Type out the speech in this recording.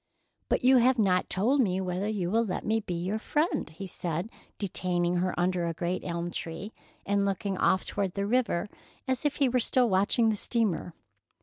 "But you have not told me whether you will let me be your friend," he said, detaining her under a great elm tree, and looking off toward the river, as if he were still watching the steamer.